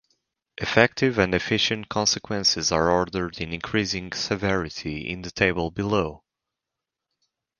Effective and Efficient consequences are ordered in increasing severity in the table below.